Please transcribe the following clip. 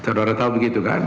saudara tahu begitu kan